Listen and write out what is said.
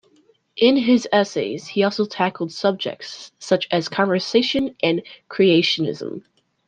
In his essays, he also tackled subjects such as conservation and creationism.